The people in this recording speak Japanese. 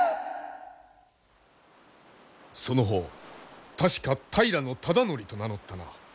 その方確か平忠度と名乗ったな。